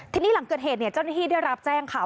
ทีนี้หลังเกิดเหตุเนี่ยเจ้าหน้าที่ได้รับแจ้งค่ะ